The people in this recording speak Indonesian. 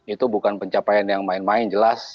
itu bukan pencapaian yang main main jelas